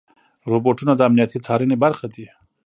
روبوټونه د امنیتي څارنې برخه دي.